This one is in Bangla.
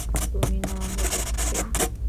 তুমি না বলে দিতে।